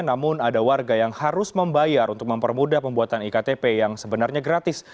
namun ada warga yang harus membayar untuk mempermudah pembuatan iktp yang sebenarnya gratis